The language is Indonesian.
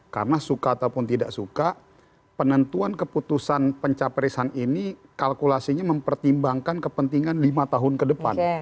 karena suka ataupun tidak suka penentuan keputusan pencaparesan ini kalkulasinya mempertimbangkan kepentingan lima tahun ke depan